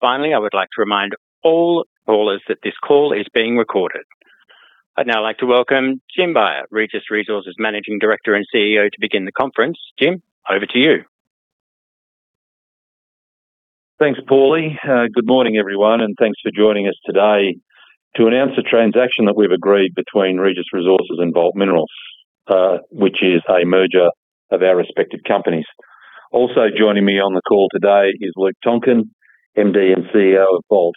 Finally, I would like to remind all callers that this call is being recorded. I'd now like to welcome Jim Beyer, Regis Resources Managing Director and CEO, to begin the conference. Jim, over to you. Thanks, Paulie. Good morning, everyone, and thanks for joining us today to announce a transaction that we've agreed between Regis Resources and Vault Minerals, which is a merger of our respective companies. Joining me on the call today is Luke Tonkin, MD and CEO of Vault.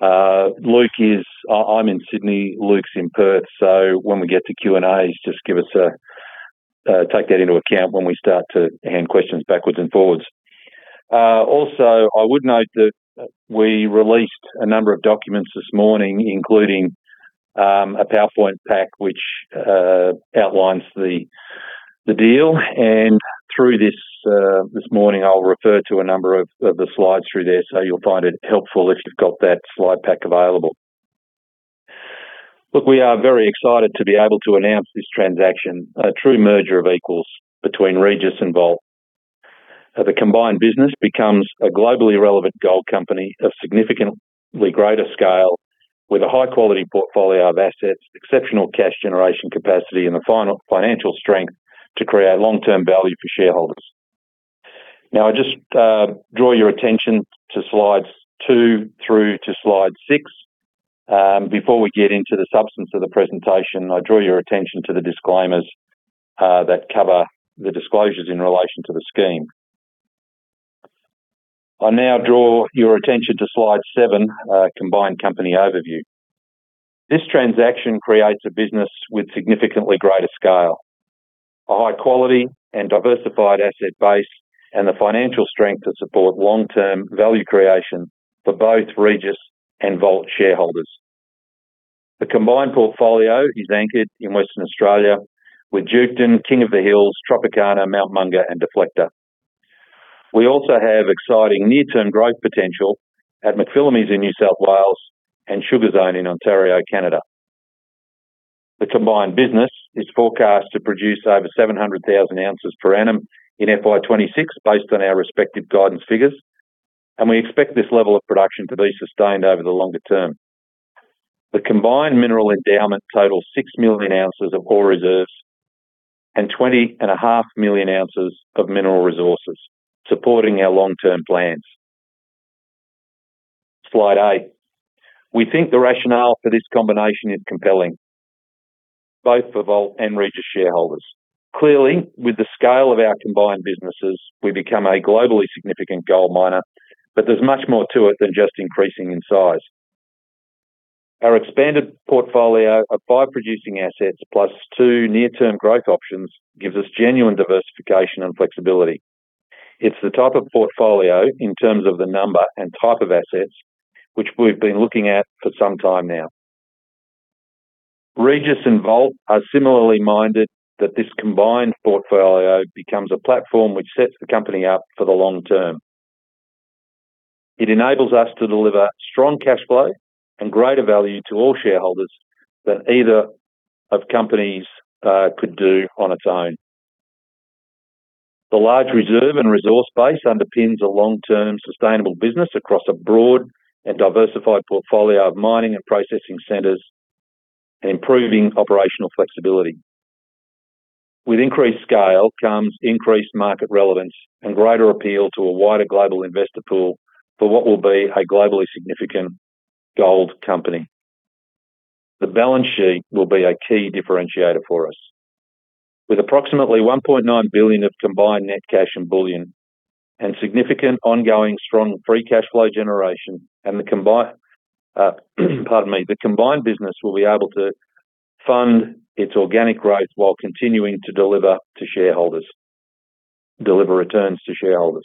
I'm in Sydney, Luke's in Perth, so when we get to Q&A, just give us a, take that into account when we start to hand questions backwards and forwards. I would note that we released a number of documents this morning, including a PowerPoint pack which outlines the deal. Through this morning, I'll refer to a number of the slides through there, so you'll find it helpful if you've got that slide pack available. Look, we are very excited to be able to announce this transaction, a true merger of equals between Regis and Vault. The combined business becomes a globally relevant gold company of significantly greater scale with a high-quality portfolio of assets, exceptional cash generation capacity and the financial strength to create long-term value for shareholders. Now, I just draw your attention to slides two through to slide six. Before we get into the substance of the presentation, I draw your attention to the disclaimers that cover the disclosures in relation to the scheme. I now draw your attention to slide seven, Combined Company Overview. This transaction creates a business with significantly greater scale. A high quality and diversified asset base and the financial strength to support long-term value creation for both Regis and Vault shareholders. The combined portfolio is anchored in Western Australia with Duketon, King of the Hills, Tropicana, Mount Monger and Deflector. We also have exciting near-term growth potential at McPhillamys in New South Wales and Sugar Zone in Ontario, Canada. The combined business is forecast to produce over 700,000 oz per annum in FY 2026 based on our respective guidance figures. We expect this level of production to be sustained over the longer term. The combined mineral endowment totals 6 million oz of ore reserves and 20.5 million oz of mineral resources, supporting our long-term plans. Slide eight. We think the rationale for this combination is compelling both for Vault and Regis shareholders. Clearly, with the scale of our combined businesses, we become a globally significant gold miner. There's much more to it than just increasing in size. Our expanded portfolio of five producing assets plus two near-term growth options gives us genuine diversification and flexibility. It's the type of portfolio in terms of the number and type of assets which we've been looking at for some time now. Regis and Vault are similarly minded that this combined portfolio becomes a platform which sets the company up for the long term. It enables us to deliver strong cash flow and greater value to all shareholders than either of companies could do on its own. The large reserve and resource base underpins a long-term sustainable business across a broad and diversified portfolio of mining and processing centers, improving operational flexibility. With increased scale comes increased market relevance and greater appeal to a wider global investor pool for what will be a globally significant gold company. The balance sheet will be a key differentiator for us. With approximately 1.9 billion of combined net cash and bullion and significant ongoing strong free cash flow generation, the combined business will be able to fund its organic growth while continuing to deliver returns to shareholders.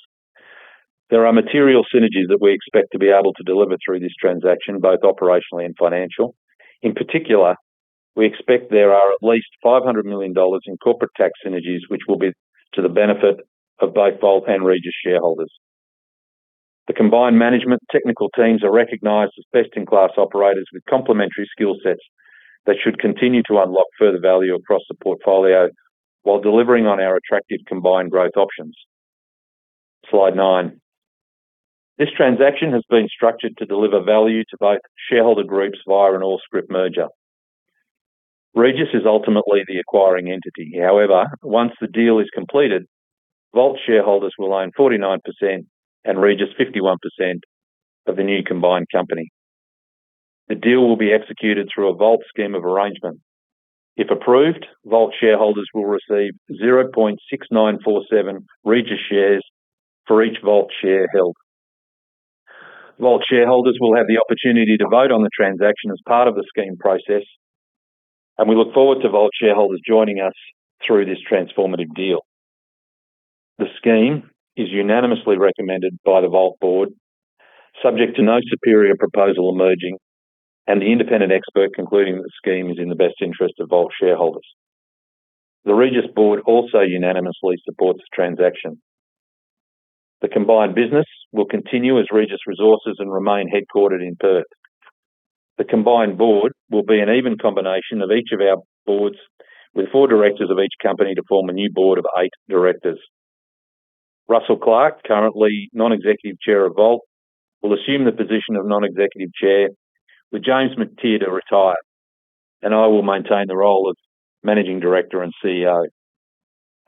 There are material synergies that we expect to be able to deliver through this transaction, both operationally and financial. In particular, we expect there are at least 500 million dollars in corporate tax synergies, which will be to the benefit of both Vault and Regis shareholders. The combined management technical teams are recognized as best-in-class operators with complementary skill sets that should continue to unlock further value across the portfolio while delivering on our attractive combined growth options. Slide nine. This transaction has been structured to deliver value to both shareholder groups via an all-scrip merger. Regis is ultimately the acquiring entity. However, once the deal is completed, Vault shareholders will own 49% and Regis 51% of the new combined company. The deal will be executed through a Vault scheme of arrangement. If approved, Vault shareholders will receive 0.6947% Regis shares for each Vault share held. Vault shareholders will have the opportunity to vote on the transaction as part of the scheme process, and we look forward to Vault shareholders joining us through this transformative deal. The scheme is unanimously recommended by the Vault board, subject to no superior proposal emerging and the independent expert concluding that the scheme is in the best interest of Vault shareholders. The Regis board also unanimously supports the transaction. The combined business will continue as Regis Resources and remain headquartered in Perth. The combined board will be an even combination of each of our boards with four directors of each company to form a new board of eight directors. Russell Clark, currently non-executive chair of Vault, will assume the position of non-executive chair with James Mactier to retire, and I will maintain the role of Managing Director and CEO.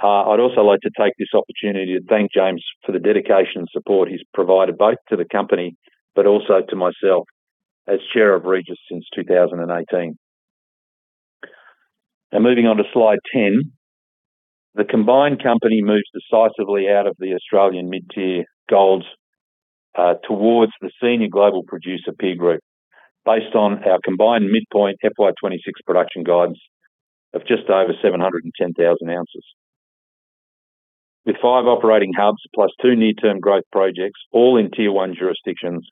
I'd also like to take this opportunity to thank James for the dedication and support he's provided both to the company but also to myself as chair of Regis since 2018. Now, moving on to slide 10. The combined company moves decisively out of the Australian mid-tier golds towards the senior global producer peer group based on our combined midpoint FY 2026 production guides of just over 710,000 oz. With five operating hubs plus two near-term growth projects, all in tier one jurisdictions,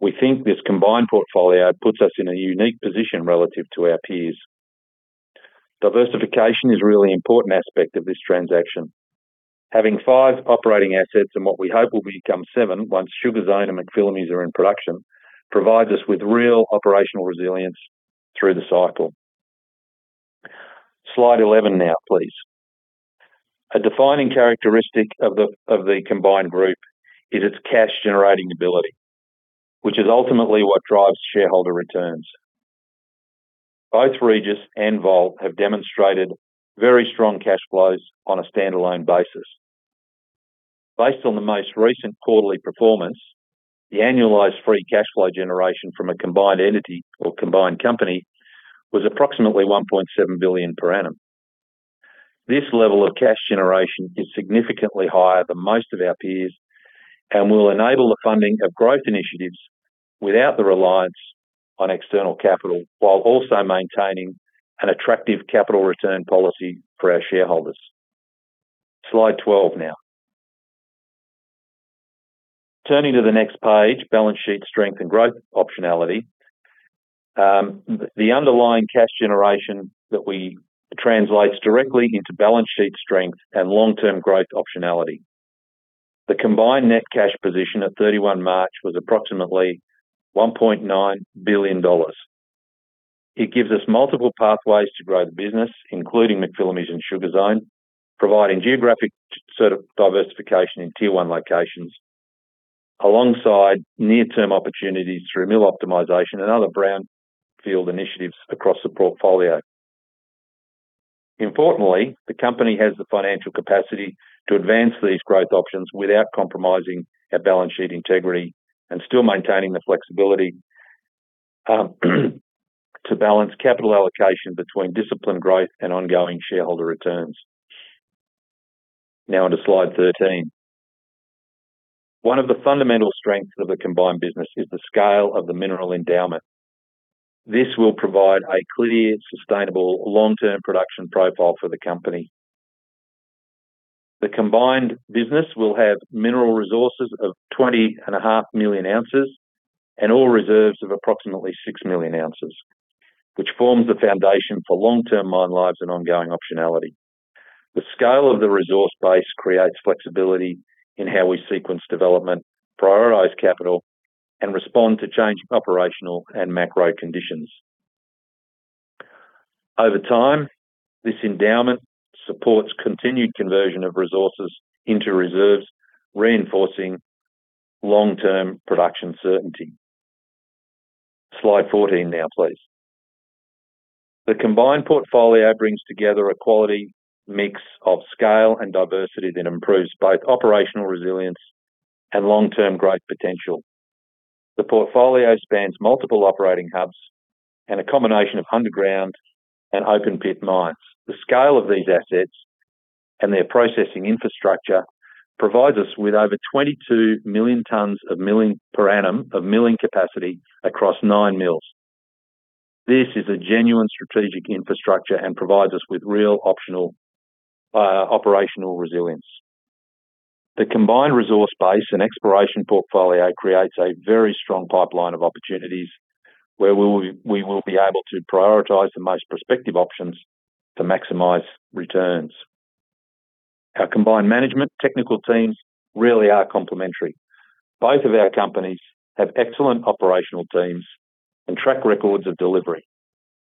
we think this combined portfolio puts us in a unique position relative to our peers. Diversification is a really important aspect of this transaction. Having five operating assets and what we hope will become seven once Sugar Zone and McPhillamys are in production, provides us with real operational resilience through the cycle. Slide 11 now, please. A defining characteristic of the combined group is its cash-generating ability, which is ultimately what drives shareholder returns. Both Regis and Vault have demonstrated very strong free cash flows on a standalone basis. Based on the most recent quarterly performance, the annualized free cash flow generation from a combined entity or combined company was approximately 1.7 billion per annum. This level of cash generation is significantly higher than most of our peers and will enable the funding of growth initiatives without the reliance on external capital, while also maintaining an attractive capital return policy for our shareholders. Slide 12 now. Turning to the next page, balance sheet strength and growth optionality. The underlying cash generation that we translates directly into balance sheet strength and long-term growth optionality. The combined net cash position at 31 March was approximately 1.9 billion. It gives us multiple pathways to grow the business, including McPhillamys and Sugar Zone, providing geographic sort of diversification in tier one locations alongside near-term opportunities through mill optimization and other brownfield initiatives across the portfolio. Importantly, the company has the financial capacity to advance these growth options without compromising our balance sheet integrity and still maintaining the flexibility to balance capital allocation between disciplined growth and ongoing shareholder returns. Now onto slide 13. One of the fundamental strengths of the combined business is the scale of the mineral endowment. This will provide a clear, sustainable long-term production profile for the company. The combined business will have mineral resources of 20.5 million oz and ore reserves of approximately 6 million oz, which forms the foundation for long-term mine lives and ongoing optionality. The scale of the resource base creates flexibility in how we sequence development, prioritize capital, and respond to changing operational and macro conditions. Over time, this endowment supports continued conversion of resources into reserves, reinforcing long-term production certainty. Slide 14 now, please. The combined portfolio brings together a quality mix of scale and diversity that improves both operational resilience and long-term growth potential. The portfolio spans multiple operating hubs and a combination of underground and open pit mines. The scale of these assets and their processing infrastructure provides us with over 22 million tons of milling per annum of milling capacity across nine mills. This is a genuine strategic infrastructure and provides us with real optional, operational resilience. The combined resource base and exploration portfolio creates a very strong pipeline of opportunities where we will be able to prioritize the most prospective options to maximize returns. Our combined management technical teams really are complementary. Both of our companies have excellent operational teams and track records of delivery.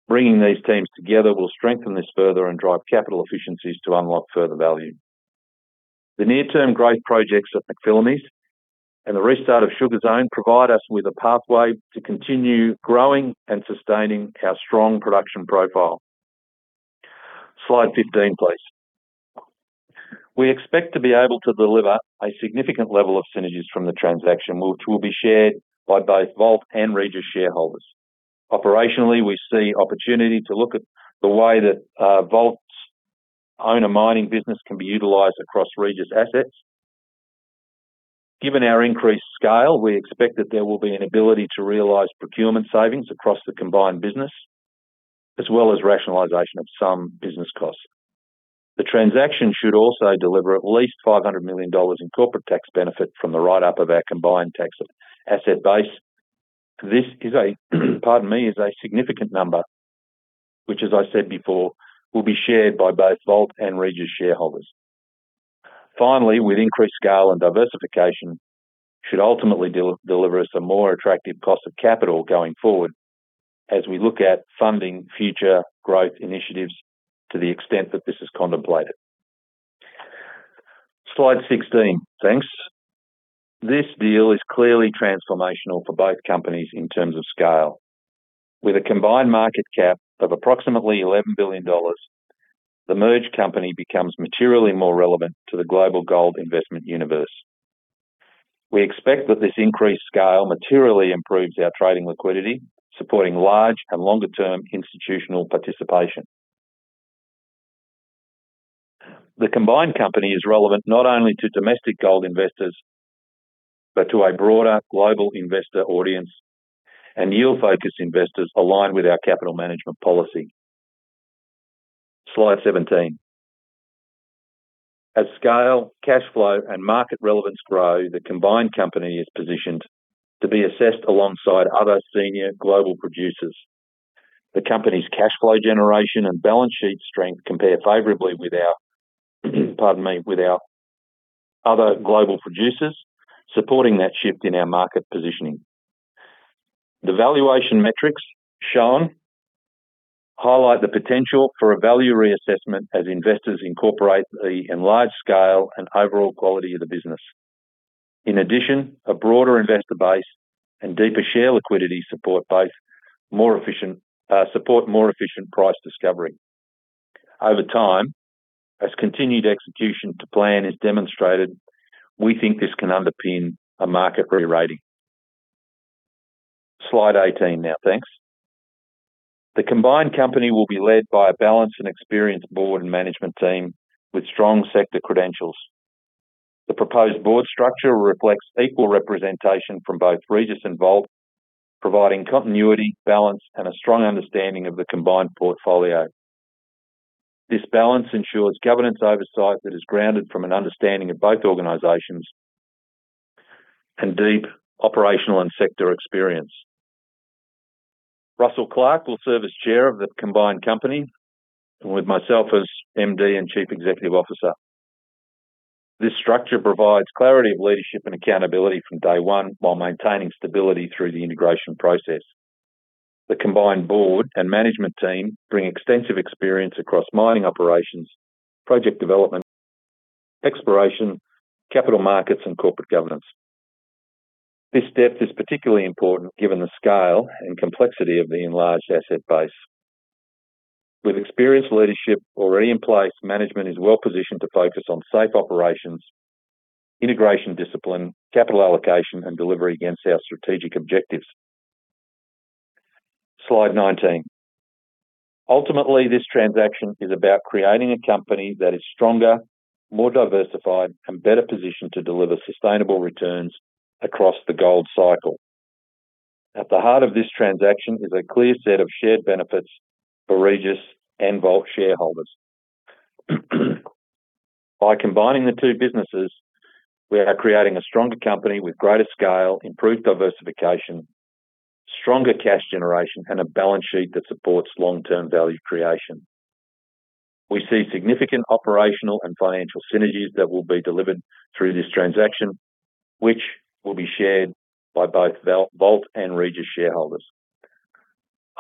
Bringing these teams together will strengthen this further and drive capital efficiencies to unlock further value. The near-term growth projects at McPhillamys and the restart of Sugar Zone provide us with a pathway to continue growing and sustaining our strong production profile. Slide 15, please. We expect to be able to deliver a significant level of synergies from the transaction, which will be shared by both Vault and Regis shareholders. Operationally, we see opportunity to look at the way that Vault's owner mining business can be utilized across Regis assets. Given our increased scale, we expect that there will be an ability to realize procurement savings across the combined business, as well as rationalization of some business costs. The transaction should also deliver at least 500 million dollars in corporate tax benefit from the write-up of our combined tax asset base. This is a significant number, which as I said before, will be shared by both Vault and Regis shareholders. Finally, with increased scale and diversification should ultimately deliver us a more attractive cost of capital going forward as we look at funding future growth initiatives to the extent that this is contemplated. Slide 16. Thanks. This deal is clearly transformational for both companies in terms of scale. With a combined market cap of approximately 11 billion dollars, the merged company becomes materially more relevant to the global gold investment universe. We expect that this increased scale materially improves our trading liquidity, supporting large and longer-term institutional participation. The combined company is relevant not only to domestic gold investors, but to a broader global investor audience and yield-focused investors aligned with our capital management policy. Slide 17. As scale, cash flow and market relevance grow, the combined company is positioned to be assessed alongside other senior global producers. The company's cash flow generation and balance sheet strength compare favorably with our other global producers supporting that shift in our market positioning. The valuation metrics shown highlight the potential for a value reassessment as investors incorporate the enlarged scale and overall quality of the business. In addition, a broader investor base and deeper share liquidity support more efficient price discovery. Over time, as continued execution to plan is demonstrated, we think this can underpin a market re-rating. Slide 18 now, thanks. The combined company will be led by a balanced and experienced board and management team with strong sector credentials. The proposed board structure reflects equal representation from both Regis and Vault, providing continuity, balance and a strong understanding of the combined portfolio. This balance ensures governance oversight that is grounded from an understanding of both organizations and deep operational and sector experience. Russell Clark will serve as Chair of the combined company and with myself as MD and Chief Executive Officer. This structure provides clarity of leadership and accountability from day one while maintaining stability through the integration process. The combined board and management team bring extensive experience across mining operations, project development, exploration, capital markets and corporate governance. This depth is particularly important given the scale and complexity of the enlarged asset base. With experienced leadership already in place, management is well-positioned to focus on safe operations, integration discipline, capital allocation and delivery against our strategic objectives. Slide 19. Ultimately, this transaction is about creating a company that is stronger, more diversified and better positioned to deliver sustainable returns across the gold cycle. At the heart of this transaction is a clear set of shared benefits for Regis and Vault shareholders. By combining the two businesses, we are creating a stronger company with greater scale, improved diversification, stronger cash generation and a balance sheet that supports long-term value creation. We see significant operational and financial synergies that will be delivered through this transaction, which will be shared by both Vault and Regis shareholders.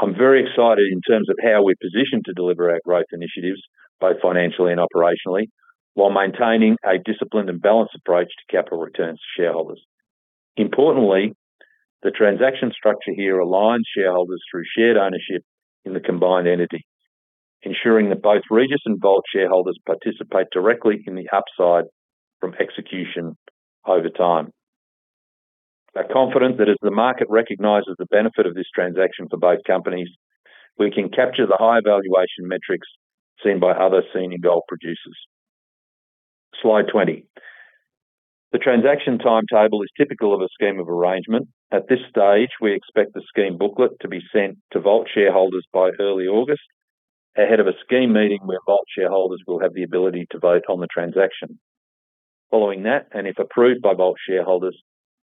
I'm very excited in terms of how we're positioned to deliver our growth initiatives, both financially and operationally, while maintaining a disciplined and balanced approach to capital returns to shareholders. Importantly, the transaction structure here aligns shareholders through shared ownership in the combined entity, ensuring that both Regis and Vault shareholders participate directly in the upside from execution over time. We're confident that as the market recognizes the benefit of this transaction for both companies, we can capture the high valuation metrics seen by other senior gold producers. Slide 20. The transaction timetable is typical of a scheme of arrangement. At this stage, we expect the scheme booklet to be sent to Vault shareholders by early August ahead of a scheme meeting where Vault shareholders will have the ability to vote on the transaction. Following that, if approved by Vault shareholders,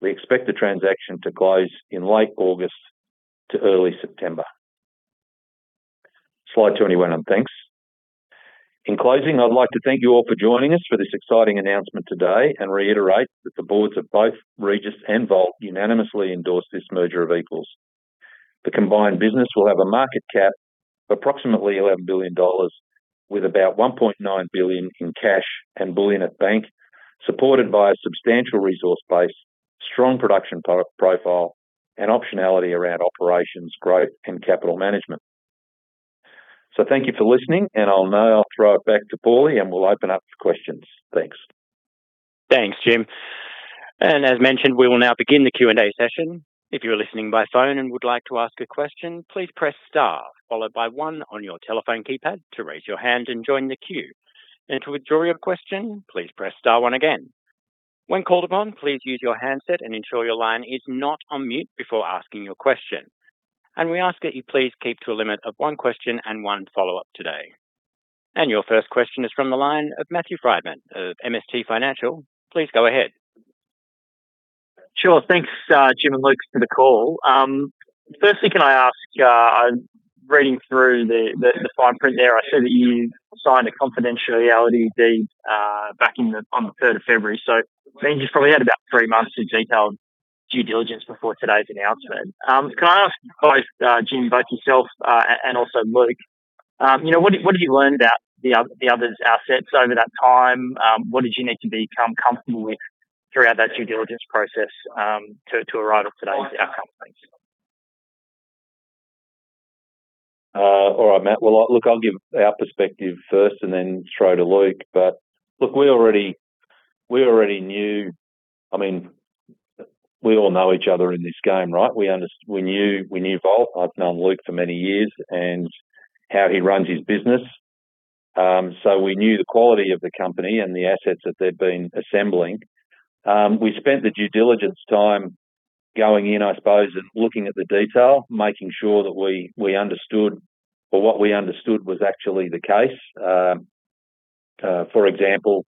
we expect the transaction to close in late August to early September. Slide 21, thanks. In closing, I'd like to thank you all for joining us for this exciting announcement today and reiterate that the boards of both Regis and Vault unanimously endorse this merger of equals. The combined business will have a market cap of approximately 11 billion dollars with about 1.9 billion in cash and bullion at bank, supported by a substantial resource base, strong production profile and optionality around operations, growth and capital management. Thank you for listening and I'll now throw it back to Paulie and we'll open up for questions. Thanks. Thanks, Jim. As mentioned, we will now begin the Q&A session. If you're listening by phone and would like to ask a question, please press star followed by one on your telephone keypad to raise your hand and join the queue. And to withdraw your question please press star one again. When called upon, please use your handset and ensure your line is not on mute before asking your question, and we ask that if you please keep to limit of one question and one follow-up today. Your first question is from the line of Matthew Frydman of MST Financial. Please go ahead. Sure. Thanks, Jim and Luke for the call. Firstly, can I ask, reading through the fine print there, I see that you signed a confidentiality deed on the 3rd of February. It means you've probably had about three months to do detailed due diligence before today's announcement. Can I ask both Jim, yourself and also Luke, you know, what have you learned about the others assets over that time? What did you need to become comfortable with throughout that due diligence process to arrive at today's outcome? Thanks. All right, Matt. I'll give our perspective first and then throw to Luke. We already knew. I mean, we all know each other in this game, right? We knew Vault Minerals. I've known Luke for many years and how he runs his business. We knew the quality of the company and the assets that they've been assembling. We spent the due diligence time going in, I suppose, and looking at the detail, making sure that we understood or what we understood was actually the case. For example,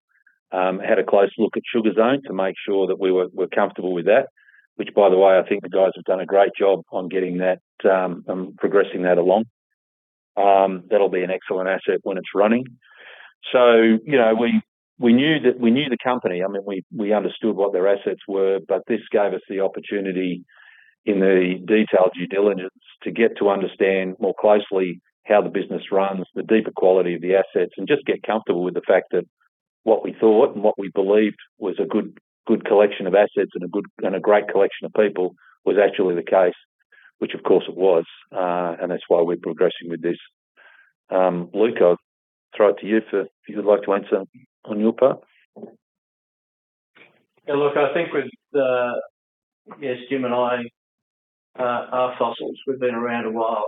had a close look at Sugar Zone to make sure that we were comfortable with that, which, by the way, I think the guys have done a great job on getting that progressing that along. That'll be an excellent asset when it's running. You know, we knew the company. I mean, we understood what their assets were, but this gave us the opportunity in the detailed due diligence to get to understand more closely how the business runs, the deeper quality of the assets, and just get comfortable with the fact that what we thought and what we believed was a good collection of assets and a good and a great collection of people was actually the case, which of course it was. That's why we're progressing with this. Luke, I'll throw it to you for if you would like to answer on your part. Yeah, look, I think with yes, Jim and I are fossils. We've been around a while.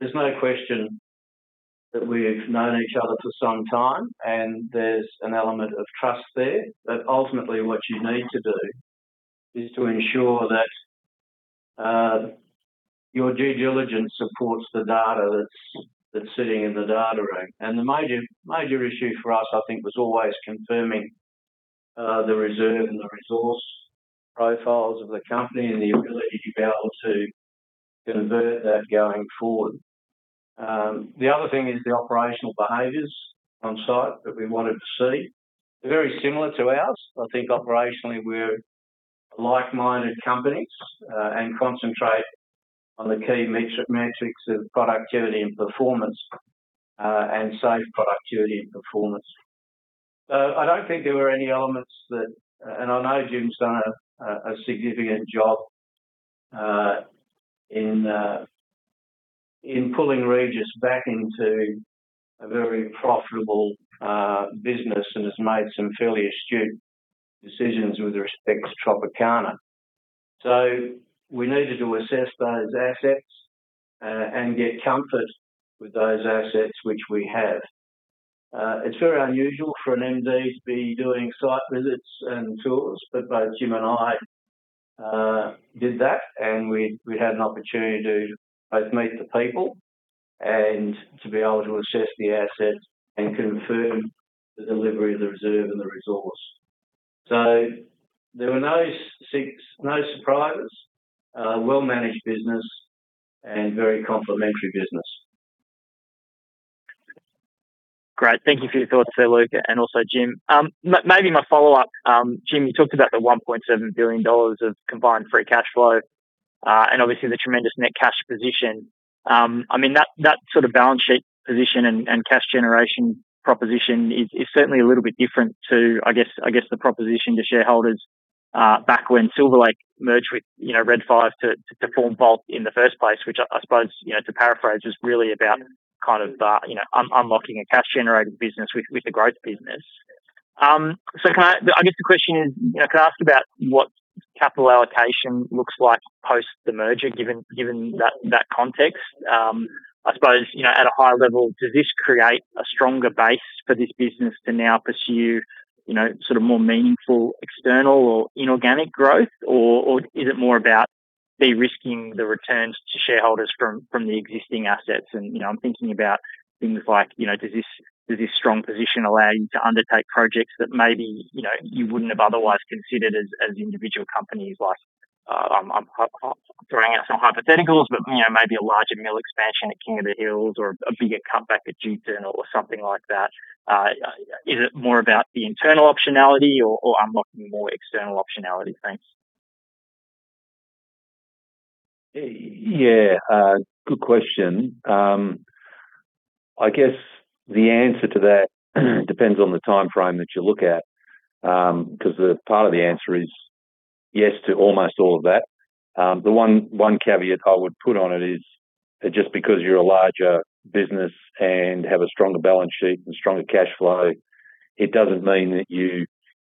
There's no question that we've known each other for some time, and there's an element of trust there. Ultimately, what you need to do is to ensure that your due diligence supports the data that's sitting in the data room. The major issue for us, I think, was always confirming the reserve and the resource profiles of the company and the ability to be able to convert that going forward. The other thing is the operational behaviors on site that we wanted to see. They're very similar to ours. I think operationally we're like-minded companies and concentrate on the key metrics of productivity and performance and safe productivity and performance. I don't think there were any elements that. I know Jim's done a significant job in pulling Regis back into a very profitable business and has made some fairly astute decisions with respect to Tropicana. We needed to assess those assets and get comfort with those assets, which we have. It's very unusual for an MD to be doing site visits and tours, but both Jim and I did that, and we had an opportunity to both meet the people and to be able to assess the assets and confirm the delivery of the reserve and the resource. There were no surprises, well-managed business and very complementary business. Great. Thank you for your thoughts there, Luke, and also Jim. Maybe my follow-up, Jim, you talked about the 1.7 billion dollars of combined free cash flow and obviously the tremendous net cash position. I mean, that sort of balance sheet position and cash generation proposition is certainly a little bit different to, I guess, the proposition to shareholders back when Silver Lake merged with, you know, Red 5 to form Vault in the first place, which I suppose, you know, to paraphrase, was really about kind of, you know, unlocking a cash generating business with a growth business. So can I ask about what capital allocation looks like post the merger given that context? I suppose, you know, at a high level, does this create a stronger base for this business to now pursue, you know, sort of more meaningful external or inorganic growth? Is it more about de-risking the returns to shareholders from the existing assets? You know, I'm thinking about things like, you know, does this strong position allow you to undertake projects that maybe, you know, you wouldn't have otherwise considered as individual companies like, I'm throwing out some hypotheticals, but, you know, maybe a larger mill expansion at King of the Hills or a bigger cutback at Duketon or something like that. Is it more about the internal optionality or unlocking more external optionality? Thanks. Yeah. Good question. I guess the answer to that depends on the timeframe that you look at, 'cause the part of the answer is yes to almost all of that. The one caveat I would put on it is that just because you're a larger business and have a stronger balance sheet and stronger cash flow, it doesn't mean that you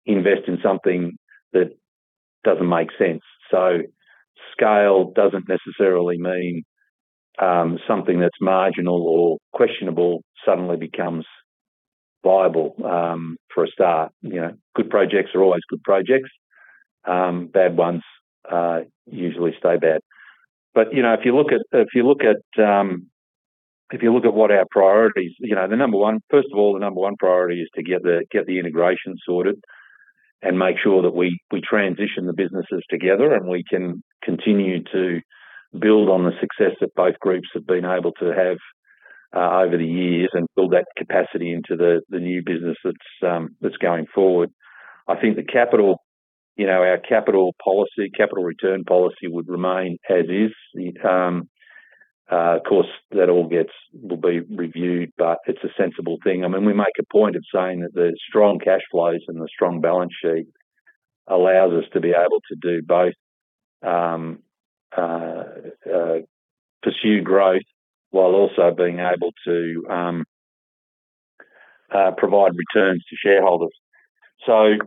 invest in something that doesn't make sense. Scale doesn't necessarily mean something that's marginal or questionable suddenly becomes viable for a start. You know, good projects are always good projects. Bad ones usually stay bad. You know, if you look at what our priorities, you know, the number one priority is to get the integration sorted and make sure that we transition the businesses together and we can continue to build on the success that both groups have been able to have over the years and build that capacity into the new business that's going forward. I think the capital, you know, our capital policy, capital return policy would remain as is. Of course, that all will be reviewed, but it's a sensible thing. I mean, we make a point of saying that the strong cash flows and the strong balance sheet allows us to be able to do both, pursue growth while also being able to provide returns to shareholders. I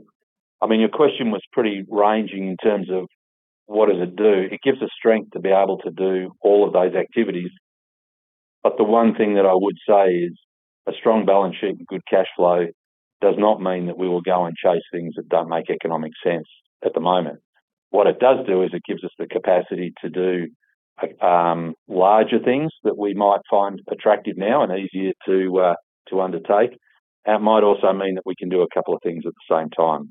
mean, your question was pretty ranging in terms of what does it do. It gives us strength to be able to do all of those activities. The one thing that I would say is a strong balance sheet and good cash flow does not mean that we will go and chase things that don't make economic sense at the moment. What it does do is it gives us the capacity to do larger things that we might find attractive now and easier to undertake. It might also mean that we can do a couple of things at the same time.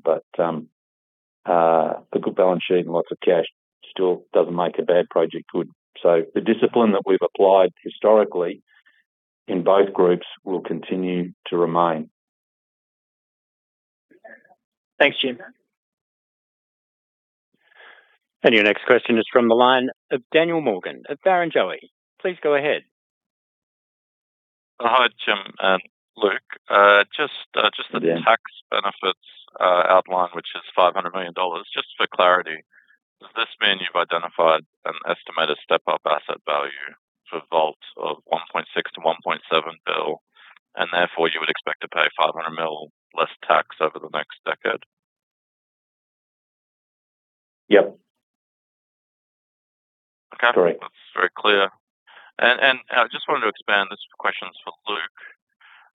A good balance sheet and lots of cash still doesn't make a bad project good. The discipline that we've applied historically in both groups will continue to remain. Thanks, Jim. Your next question is from the line of Daniel Morgan at Barrenjoey. Please go ahead. Hi, Jim and Luke. just. Yeah. -tax benefits, outline, which is 500 million dollars. Just for clarity, does this mean you've identified an estimated step-up asset value for Vault of 1.6 billion-1.7 billion, and therefore you would expect to pay 500 million less tax over the next decade? Yep. Okay. Correct. That's very clear. I just wanted to expand. This question's for Luke.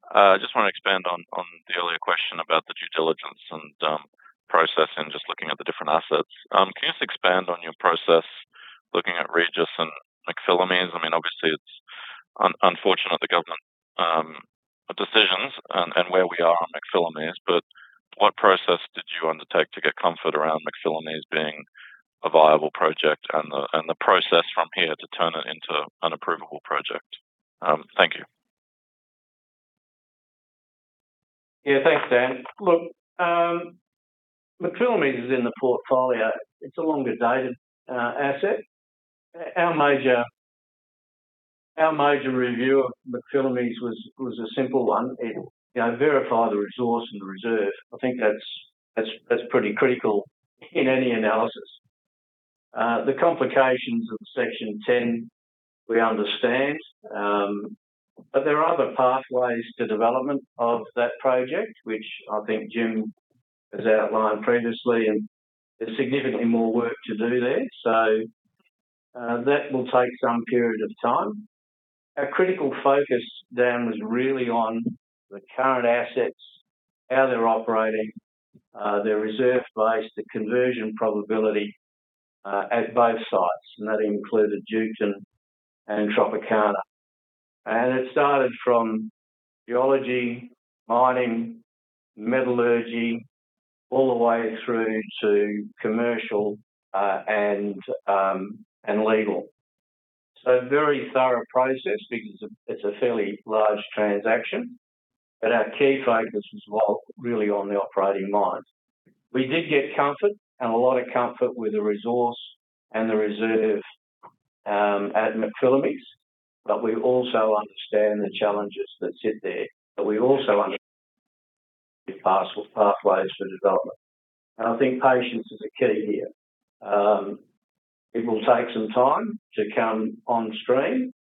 I just want to expand on the earlier question about the due diligence and process and just looking at the different assets. Can you just expand on your process looking at Regis and McPhillamys? I mean, obviously it's unfortunate the government decisions and where we are on McPhillamys, but what process did you undertake to get comfort around McPhillamys being a viable project and the process from here to turn it into an approvable project? Thank you. Thanks, Dan. Look, McPhillamys is in the portfolio. It's a longer dated asset. Our major review of McPhillamys was a simple one. It, you know, verify the resource and the reserve. I think that's pretty critical in any analysis. The complications of Section 10, we understand. There are other pathways to development of that project, which I think Jim has outlined previously, and there's significantly more work to do there. That will take some period of time. Our critical focus then was really on the current assets, how they're operating, their reserve base, the conversion probability at both sites, and that included Duketon and Tropicana. It started from geology, mining, metallurgy, all the way through to commercial, and legal. Very thorough process because it's a fairly large transaction, but our key focus was really on the operating mines. We did get comfort and a lot of comfort with the resource and the reserve at McPhillamys, but we also understand the challenges that sit there. We also understand pathways for development. I think patience is a key here. It will take some time to come on stream,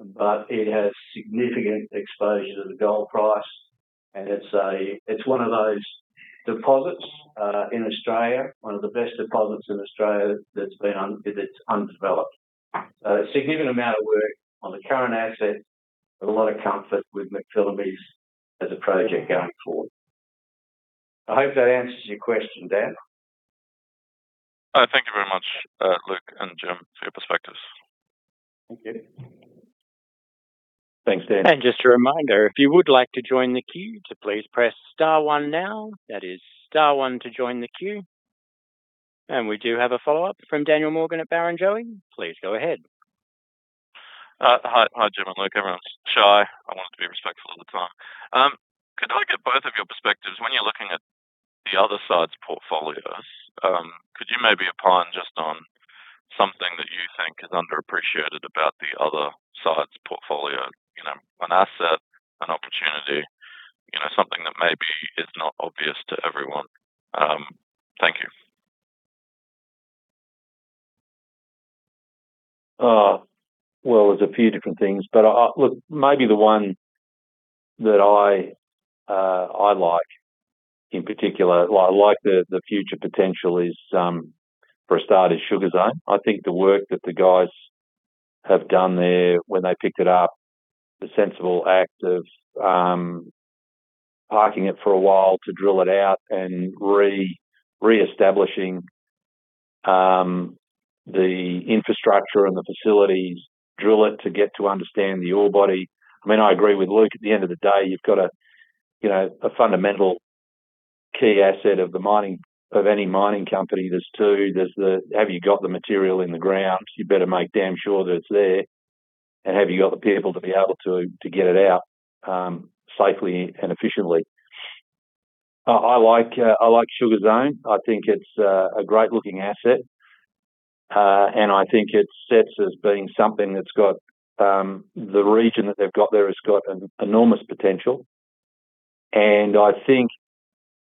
but it has significant exposure to the gold price, and it's one of those deposits in Australia, one of the best deposits in Australia that's been undeveloped. A significant amount of work on the current asset, but a lot of comfort with McPhillamys as a project going forward. I hope that answers your question, Dan. Thank you very much, Luke and Jim, for your perspectives. Thank you. Thanks, Dan. Just a reminder, if you would like to join the queue, to please press star one now. That is star one to join the queue. We do have a follow-up from Daniel Morgan at Barrenjoey. Please go ahead. Hi. Hi, Jim and Luke. Everyone's shy. I wanted to be respectful of the time. Could I get both of your perspectives when you're looking at the other side's portfolio, could you maybe opine just on something that you think is underappreciated about the other side's portfolio? You know, an asset, an opportunity, you know, something that maybe is not obvious to everyone. Thank you. Well, there's a few different things. Look, maybe the one that I like in particular. Well, I like the future potential is for a start is Sugar Zone. I think the work that the guys have done there when they picked it up, the sensible act of parking it for a while to drill it out and reestablishing the infrastructure and the facilities, drill it to get to understand the ore body. I mean, I agree with Luke. At the end of the day, you've got a, you know, a fundamental key asset of any mining company. There's two. Have you got the material in the ground? You better make damn sure that it's there. Have you got the people to be able to get it out safely and efficiently. I like Sugar Zone. I think it's a great-looking asset. I think it sits as being something that's got the region that they've got there has got an enormous potential. I think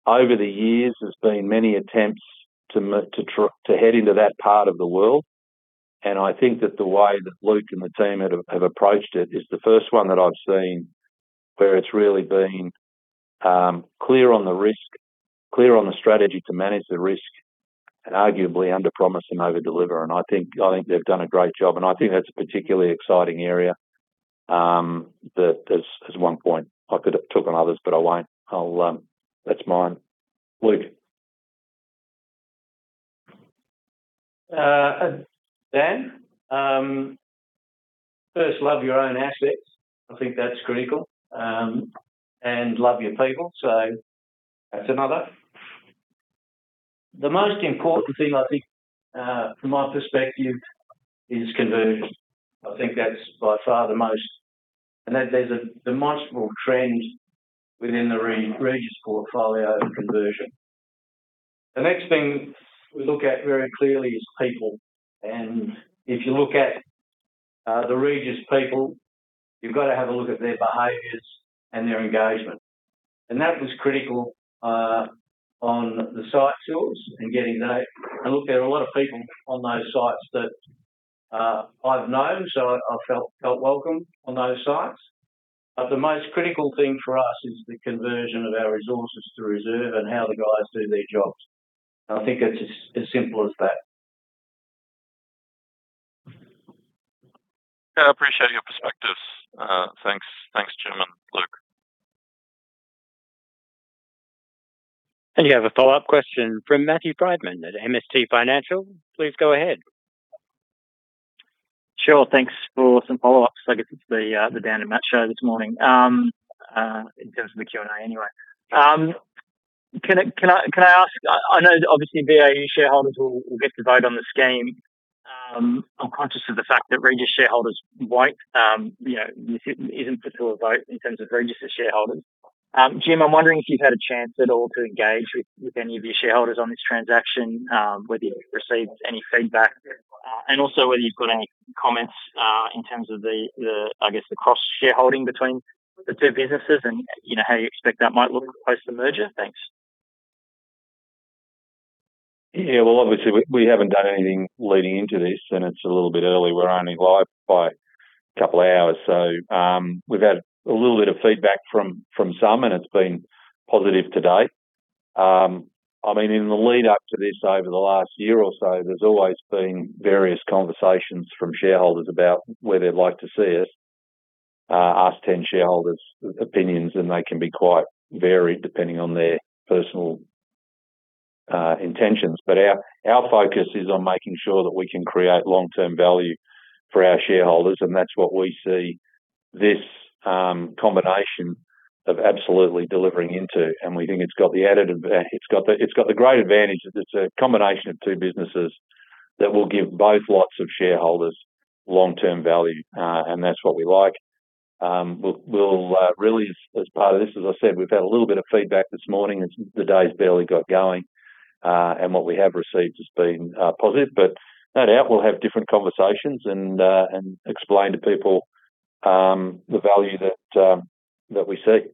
over the years, there's been many attempts to head into that part of the world. I think that the way that Luke and the team have approached it is the first one that I've seen where it's really been clear on the risk, clear on the strategy to manage the risk, and arguably underpromise and overdeliver. I think they've done a great job, and I think that's a particularly exciting area that as one point. I could talk on others, but I won't. I'll. That's mine. Luke. Dan, first, love your own assets. I think that's critical, and love your people, that's another. The most important thing, I think, from my perspective, is conversion. I think that's by far the most. There's a demonstrable trend within the Regis portfolio conversion. The next thing we look at very clearly is people. If you look at the Regis people, you've got to have a look at their behaviors and their engagement. That was critical on the site tours and getting to know. Look, there are a lot of people on those sites that I've known, so I felt welcome on those sites. The most critical thing for us is the conversion of our resources to reserve and how the guys do their jobs. I think it's as simple as that. Yeah, I appreciate your perspectives. Thanks. Thanks, Jim and Luke. You have a follow-up question from Matthew Frydman at MST Financial. Please go ahead. Sure. Thanks for some follow-ups. I guess it's the Dan and Matt show this morning in terms of the Q&A anyway. Can I ask, I know that obviously VAU shareholders will get to vote on the scheme. I'm conscious of the fact that Regis shareholders won't, you know, this isn't put to a vote in terms of Regis shareholders. Jim, I'm wondering if you've had a chance at all to engage with any of your shareholders on this transaction, whether you've received any feedback and also whether you've got any comments in terms of the, I guess, the cross-shareholding between the two businesses and, you know, how you expect that might look post the merger. Thanks. Yeah. Well, obviously, we haven't done anything leading into this, it's a little bit early. We're only live by a couple of hours. We've had a little bit of feedback from some, it's been positive to date. I mean, in the lead-up to this over the last year or so, there's always been various conversations from shareholders about where they'd like to see us. Ask 10 shareholders opinions, they can be quite varied depending on their personal intentions. Our focus is on making sure that we can create long-term value for our shareholders, that's what we see this combination of absolutely delivering into. We think it's got the great advantage that it's a combination of two businesses that will give both lots of shareholders long-term value, and that's what we like. We'll really as part of this, as I said, we've had a little bit of feedback this morning. The day's barely got going, and what we have received has been positive. No doubt we'll have different conversations and explain to people the value that we see.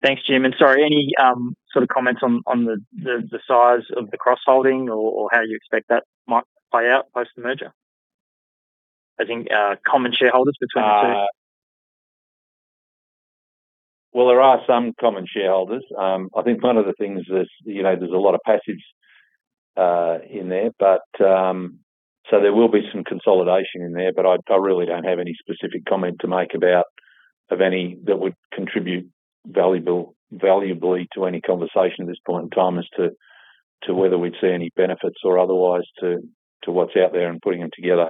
Thanks, Jim. Sorry, any sort of comments on the size of the crossholding or how you expect that might play out post the merger? I think common shareholders between the two. Well, there are some common shareholders. I think one of the things is, you know, there's a lot of passives in there, but so there will be some consolidation in there. I really don't have any specific comment to make about of any that would contribute valuably to any conversation at this point in time as to whether we'd see any benefits or otherwise to what's out there and putting them together.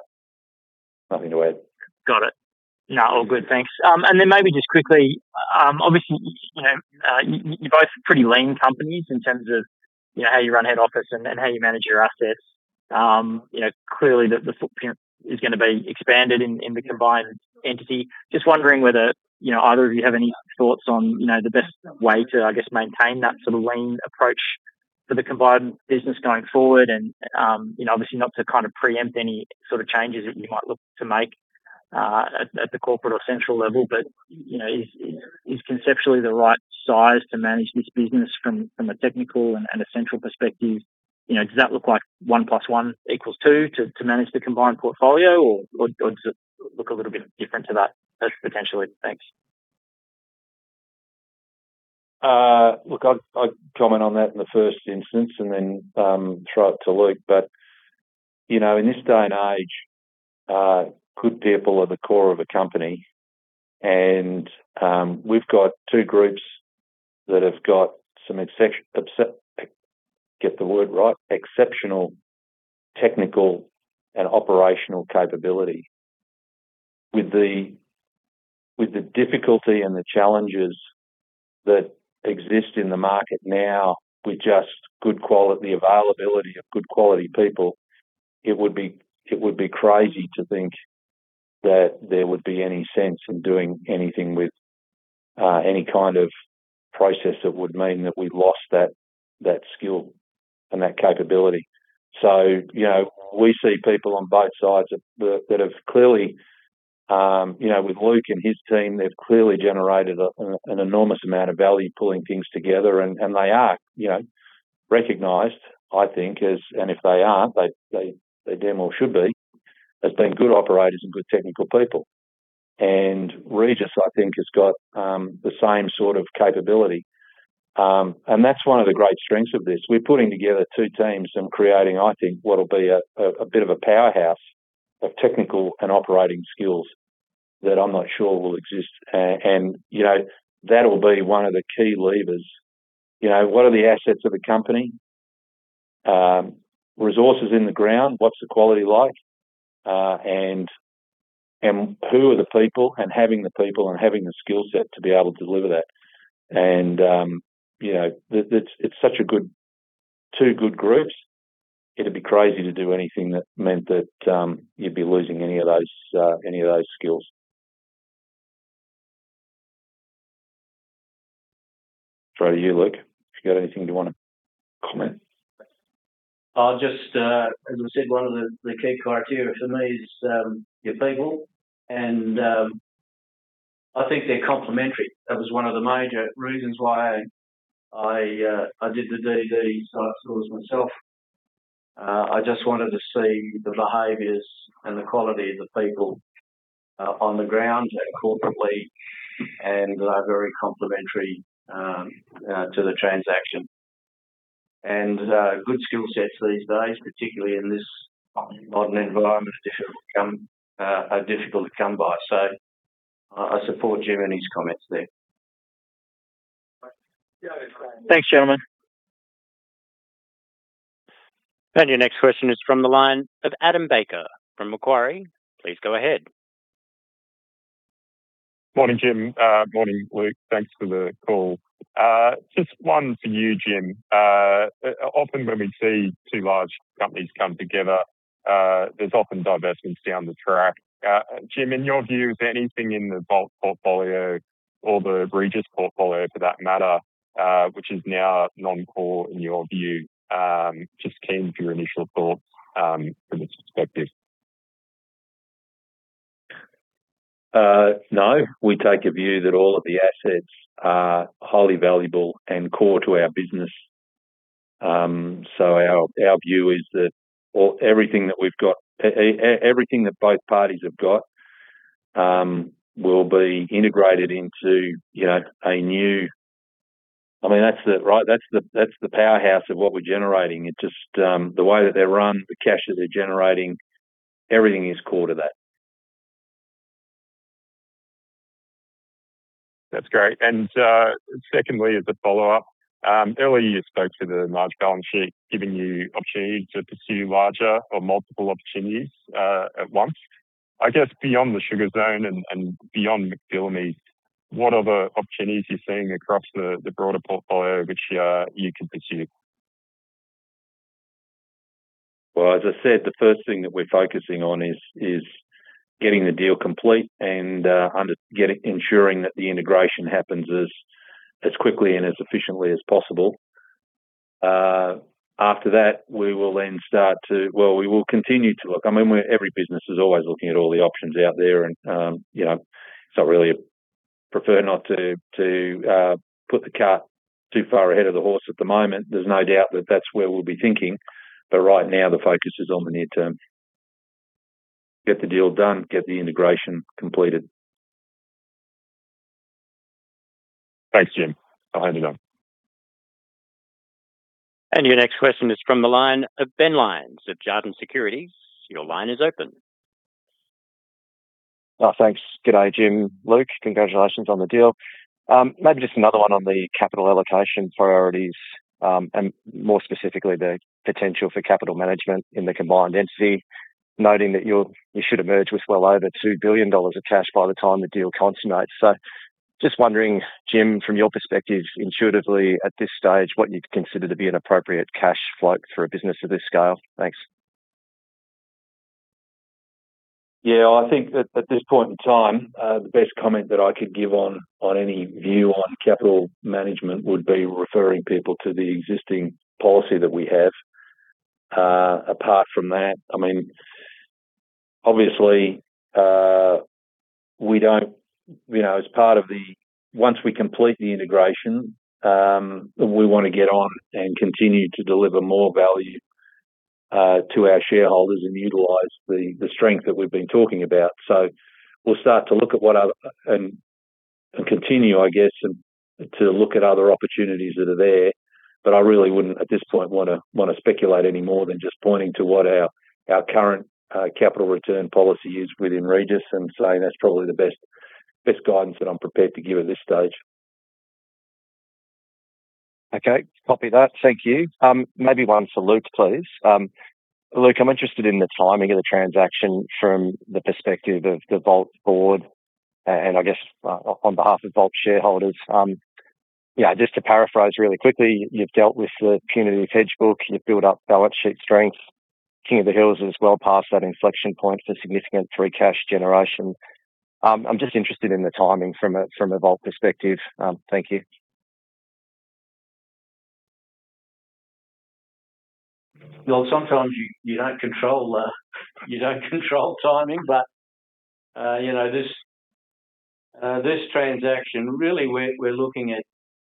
Nothing to add. Got it. No, all good. Thanks. Then maybe just quickly, obviously, you know, you both are pretty lean companies in terms of, you know, how you run head office and how you manage your assets. You know, clearly the footprint is gonna be expanded in the combined entity. Just wondering whether, you know, either of you have any thoughts on, you know, the best way to, I guess, maintain that sort of lean approach for the combined business going forward and, you know, obviously not to kind of preempt any sort of changes that you might look to make at the corporate or central level. You know, is conceptually the right size to manage this business from a technical and a central perspective? You know, does that look like 1 + 1 = 2 to manage the combined portfolio, or does it look a little bit different to that potentially? Thanks. Look, I'll comment on that in the first instance and then throw it to Luke. You know, in this day and age, good people are the core of a company. We've got two groups that have got some exceptional technical and operational capability. With the difficulty and the challenges that exist in the market now with just good quality availability of good quality people, it would be crazy to think that there would be any sense in doing anything with any kind of process that would mean that we've lost that skill and that capability. You know, we see people on both sides that have clearly, you know, with Luke and his team, they've clearly generated an enormous amount of value pulling things together and they are, you know, recognized, I think as, if they aren't, they damn well should be, as being good operators and good technical people. Regis, I think has got the same sort of capability. That's one of the great strengths of this. We're putting together two teams and creating, I think, what'll be a bit of a powerhouse of technical and operating skills that I'm not sure will exist. You know, that'll be one of the key levers. You know, what are the assets of the company? Resources in the ground, what's the quality like? Who are the people and having the people and having the skill set to be able to deliver that. You know, it's such a good two good groups. It'd be crazy to do anything that meant that, you'd be losing any of those, any of those skills. Throw to you, Luke, if you got anything you wanna comment. I'll just, as I said, one of the key criteria for me is your people and I think they're complementary. That was one of the major reasons why I did the DD site tours myself. I just wanted to see the behaviors and the quality of the people on the ground and corporately and very complementary to the transaction. Good skill sets these days, particularly in this modern environment are difficult to come, are difficult to come by. I support Jim and his comments there. Thanks, gentlemen. Your next question is from the line of Adam Baker from Macquarie. Please go ahead. Morning, Jim. Morning, Luke. Thanks for the call. Just one for you, Jim. Often when we see two large companies come together, there's often divestments down the track. Jim, in your view, is there anything in the Vault portfolio or the Regis portfolio for that matter, which is now non-core in your view? Just keen for your initial thoughts from this perspective. No. We take a view that all of the assets are highly valuable and core to our business. Our view is that everything that we've got, everything that both parties have got, will be integrated into, you know. I mean, that's the, right? That's the powerhouse of what we're generating. It just, the way that they're run, the cash that they're generating, everything is core to that. That's great. Secondly, as a follow-up, earlier you spoke to the large balance sheet giving you opportunity to pursue larger or multiple opportunities at once. I guess beyond the Sugar Zone and beyond McPhillamy, what other opportunities are you seeing across the broader portfolio which you can pursue? Well, as I said, the first thing that we're focusing on is getting the deal complete and ensuring that the integration happens as quickly and as efficiently as possible. After that, we will continue to look. I mean, every business is always looking at all the options out there, you know, I really prefer not to put the cart too far ahead of the horse at the moment. There's no doubt that that's where we'll be thinking. Right now, the focus is on the near term. Get the deal done, get the integration completed. Thanks, Jim. I'll hand it on. Your next question is from the line of Ben Lyons of Jarden Securities. Thanks. Good day, Jim, Luke. Congratulations on the deal. Maybe just another one on the capital allocation priorities, and more specifically, the potential for capital management in the combined entity, noting that you should emerge with well over 2 billion dollars of cash by the time the deal consummates. Just wondering, Jim, from your perspective, intuitively at this stage, what you'd consider to be an appropriate cash flow for a business of this scale? Thanks. Yeah. I think at this point in time, the best comment that I could give on any view on capital management would be referring people to the existing policy that we have. Apart from that, I mean, obviously, we don't, you know, once we complete the integration, we want to get on and continue to deliver more value to our shareholders and utilize the strength that we've been talking about. We'll start to look at what other and continue, I guess, to look at other opportunities that are there. I really wouldn't, at this point, wanna speculate any more than just pointing to what our current capital return policy is within Regis and saying that's probably the best guidance that I'm prepared to give at this stage. Okay. Copy that. Thank you. Maybe one for Luke, please. Luke, I'm interested in the timing of the transaction from the perspective of the Vault board and I guess on behalf of Vault shareholders. You know, just to paraphrase really quickly, you've dealt with the punitive hedge book, you've built up balance sheet strength. King of the Hills is well past that inflection point for significant free cash generation. I'm just interested in the timing from a Vault perspective. Thank you. Well, sometimes you don't control, you don't control timing, but, you know, this transaction really we're looking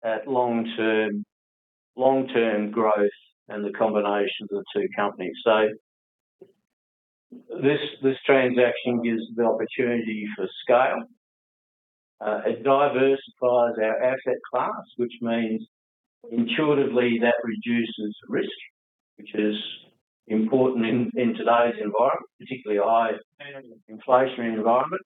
at long-term growth and the combination of the two companies. This transaction gives the opportunity for scale. It diversifies our asset class, which means intuitively that reduces risk, which is important in today's environment, particularly high inflationary environment.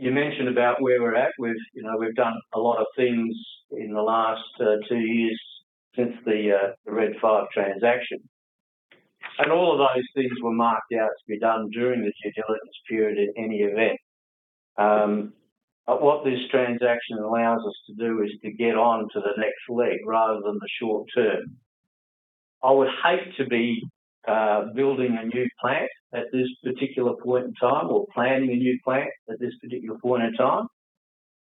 You mentioned about where we're at. We've, you know, we've done a lot of things in the last two years since the Red 5 transaction. All of those things were marked out to be done during the due diligence period in any event. What this transaction allows us to do is to get on to the next leg rather than the short term. I would hate to be building a new plant at this particular point in time or planning a new plant at this particular point in time,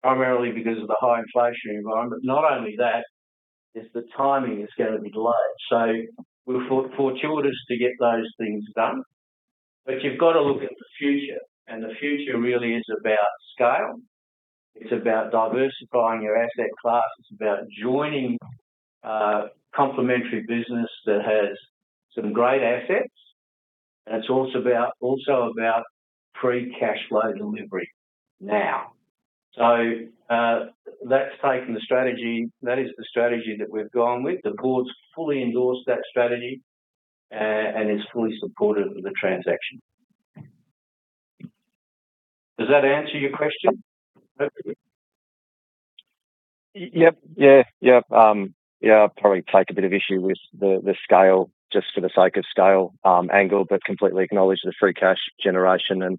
primarily because of the high inflationary environment. Not only that, is the timing is gonna be delayed. We're fortuitous to get those things done. You've got to look at the future, and the future really is about scale. It's about diversifying your asset class. It's about joining a complementary business that has some great assets. It's also about free cash flow delivery now. That is the strategy that we've gone with. The board's fully endorsed that strategy and is fully supportive of the transaction. Does that answer your question? Yep. Yeah. Yep. Yeah. I probably take a bit of issue with the scale just for the sake of scale, angle, but completely acknowledge the free cash generation and,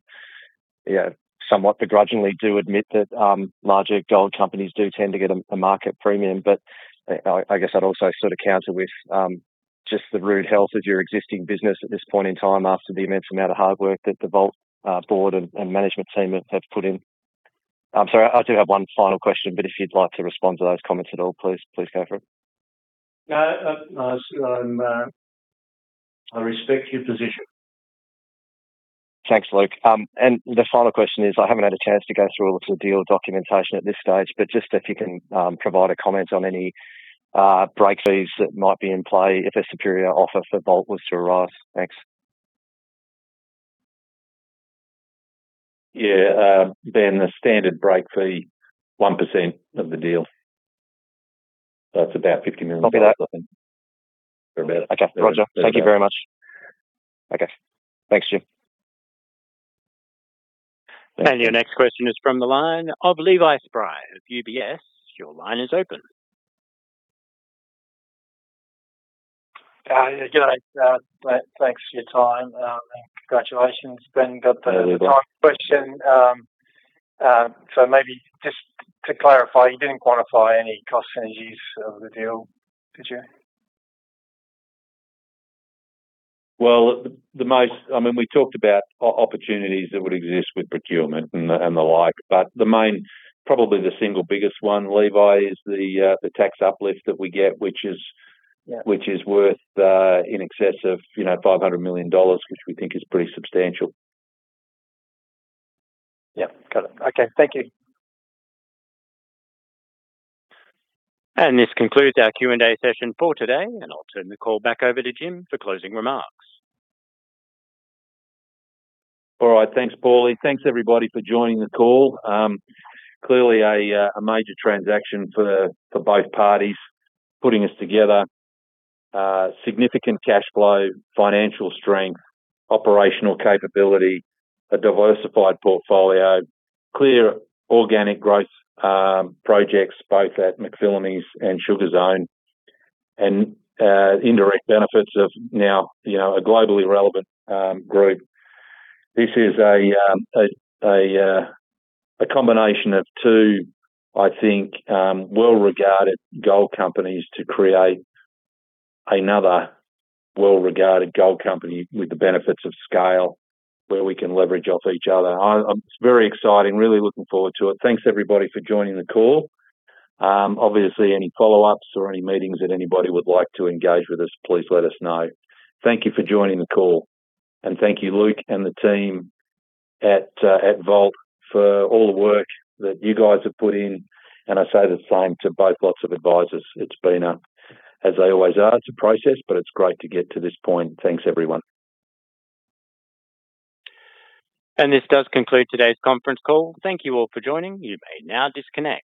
you know, somewhat begrudgingly do admit that larger gold companies do tend to get a market premium. I guess I'd also sort of counter with just the rude health of your existing business at this point in time after the immense amount of hard work that the Vault board and management team have put in. I'm sorry, I do have one final question, but if you'd like to respond to those comments at all, please go for it. No, no. I respect your position. Thanks, Luke. The final question is, I haven't had a chance to go through all of the deal documentation at this stage, but just if you can provide a comment on any break fees that might be in play if a superior offer for Vault was to arise. Thanks. Yeah. The standard break fee, 1% of the deal. That's about 50 million. Copy that. About it. Okay. Roger. Thank you very much. Okay. Thanks, Jim. Your next question is from the line of Levi Spry of UBS. Your line is open. Good day. thanks for your time, and congratulations. Ben, got the- Yeah. -time question. Maybe just to clarify, you didn't quantify any cost synergies of the deal, did you? Well, I mean, we talked about opportunities that would exist with procurement and the like. The main, probably the single biggest one, Levi, is the tax uplift that we get, which is. Yeah. Which is worth, in excess of, you know, 500 million dollars, which we think is pretty substantial. Yeah. Got it. Okay. Thank you. This concludes our Q&A session for today, and I'll turn the call back over to Jim for closing remarks. All right. Thanks, Paulie. Thanks everybody for joining the call. Clearly a major transaction for both parties putting us together. Significant cash flow, financial strength, operational capability, a diversified portfolio, clear organic growth, projects both at McPhillamys and Sugar Zone, and indirect benefits of now, you know, a globally relevant group. This is a combination of two, I think, well-regarded gold companies to create another well-regarded gold company with the benefits of scale where we can leverage off each other. It's very exciting. Really looking forward to it. Thanks everybody for joining the call. Obviously, any follow-ups or any meetings that anybody would like to engage with us, please let us know. Thank you for joining the call. Thank you, Luke and the team at Vault for all the work that you guys have put in. I say the same to both lots of advisors. It's been a, as they always are, it's a process, but it's great to get to this point. Thanks, everyone. This does conclude today's conference call. Thank you all for joining. You may now disconnect.